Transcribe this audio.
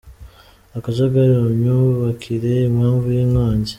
Akajagari mu myubakire, impamvu y’inkongi